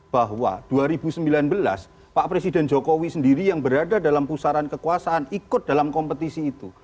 bahwa dua ribu sembilan belas pak presiden jokowi sendiri yang berada dalam pusaran kekuasaan ikut dalam kompetisi itu